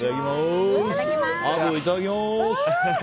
アブ、いただきます！